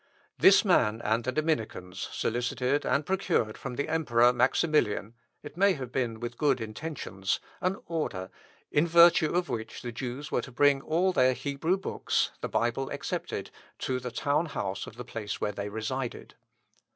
This man and the Dominicans solicited and procured from the emperor, Maximilian, (it may have been with good intentions,) an order, in virtue of which the Jews were to bring all their Hebrew books (the Bible excepted) to the town house of the place where they resided.